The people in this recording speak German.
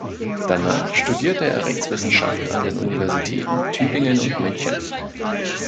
Danach studierte er Rechtswissenschaft an den Universitäten Tübingen und München.